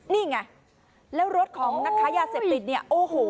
นี่ไงแล้วรถของนักค้ายาเสพติดเนี่ยโอ้โห